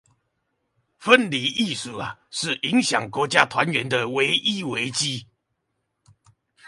分離意識，是影響國家團結的唯一危機